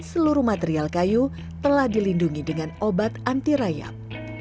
seluruh material kayu telah dilindungi dengan obat anti rayap